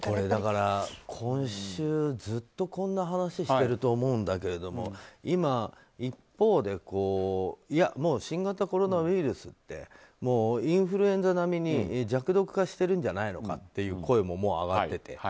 だから、今週ずっとこんな話をしてると思うんだけど今、一方で新型コロナウイルスってインフルエンザ並みに弱毒化してるんじゃないかという声も上がってて。